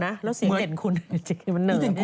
เดี๋ยวก่อนนะแล้วเสียงเด่นคุณ